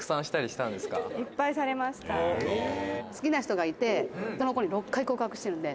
「好きな人がいてその子に６回告白してるんで」